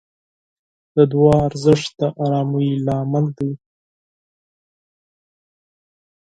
د دعا ارزښت د آرامۍ لامل دی.